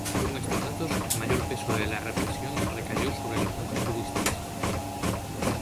Según estos datos el mayor peso de la represión recayó sobre los monjes budistas.